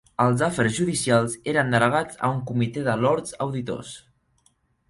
Els afers judicials eren delegats a un comitè de Lords Auditors.